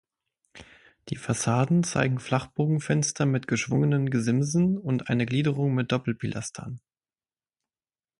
Die Fassaden zeigen Flachbogenfenster mit geschwungenen Gesimsen und eine Gliederung mit Doppelpilastern.